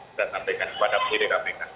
kita sampaikan kepada penyidik kpk